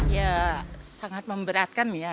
ya sangat memberatkan ya